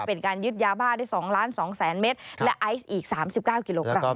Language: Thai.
เป็นการยึดยาบ้าได้๒๒๐๐๐เมตรและไอซ์อีก๓๙กิโลกรัม